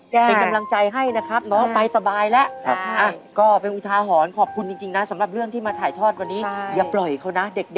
เป็นกำลังใจให้นะครับน้องไปสบายแล้ว